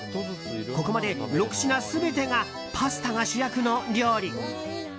ここまで６品全てがパスタが主役の料理。